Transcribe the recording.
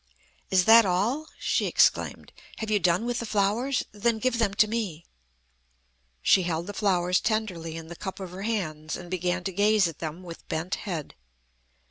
"Is that all?" she exclaimed. "Have you done with the flowers? Then give them to me." She held the flowers tenderly in the cup of her hands, and began to gaze at them with bent head.